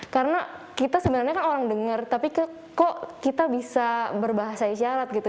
karena kita sebenarnya kan orang denger tapi kok kita bisa berbahasa isyarat gitu